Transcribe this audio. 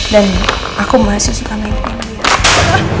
dan aku masih suka main video